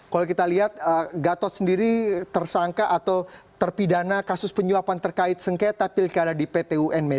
kalau kita lihat gatot sendiri tersangka atau terpidana kasus penyuapan terkait sengketa pilkada di pt unb